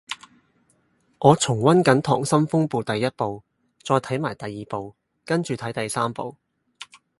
我重溫緊溏心風暴第一部，再睇埋第二部跟住睇第三部